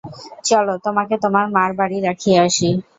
চলো তোমাকে তোমার মার বাড়ি রাখিয়া আসি।